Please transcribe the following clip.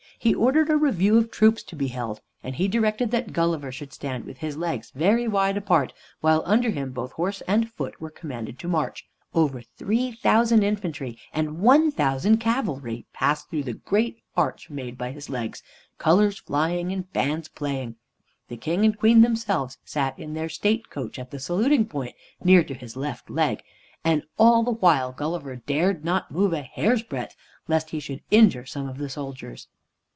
He ordered a review of troops to be held, and he directed that Gulliver should stand with his legs very wide apart, while under him both horse and foot were commanded to march. Over three thousand infantry and one thousand cavalry passed through the great arch made by his legs, colors flying and bands playing. The King and Queen themselves sat in their State Coach at the saluting point, near to his left leg, and all the while Gulliver dared not move a hair's breadth, lest he should injure some of the soldiers.